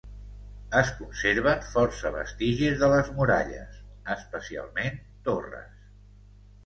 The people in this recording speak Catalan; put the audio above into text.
Es conserven força vestigis de les muralles, especialment torres.